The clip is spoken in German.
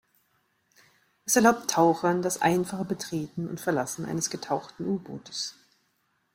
Es erlaubt Tauchern das einfache Betreten und Verlassen eines getauchten U-Bootes.